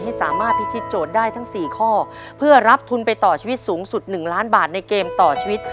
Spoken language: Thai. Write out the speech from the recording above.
ให้สามารถพิธีโจทย์ได้ทั้งสี่ข้อเพื่อรับทุนไปต่อชีวิตสูงสุด๑ล้านบาทในเกมต่อชีวิต